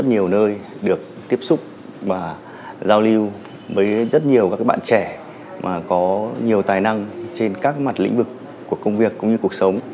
nhiều các bạn trẻ có nhiều tài năng trên các mặt lĩnh vực của công việc cũng như cuộc sống